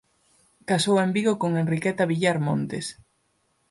Casou en Vigo con Enriqueta Villar Montes.